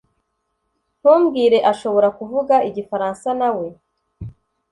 Ntumbwire ashobora kuvuga igifaransa nawe